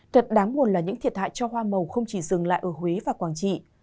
thật đáng buồn là những thiệt hại cho hoa màu không chỉ dừng lại ở huế và quảng trị